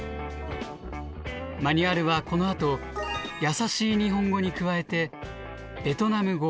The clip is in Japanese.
マニュアルはこのあとやさしい日本語に加えてベトナム語